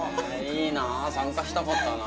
いいな参加したかったな。